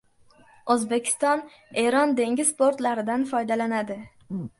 O‘zbekiston Eron dengiz portlaridan foydalanadi